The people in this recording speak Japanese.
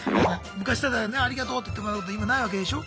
昔だったらねありがとうって言ってもらえたけど今ないわけでしょ？